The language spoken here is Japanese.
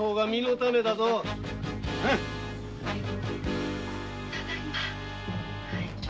ただいま。